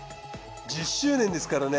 １０周年ですからね。